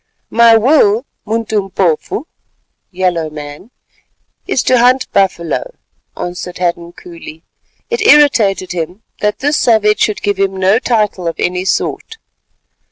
"My will, Muntumpofu (yellow man), is to hunt buffalo," answered Hadden coolly. It irritated him that this savage should give him no title of any sort.